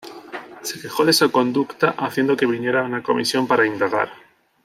Se quejó de su conducta, haciendo que viniera una comisión para indagar.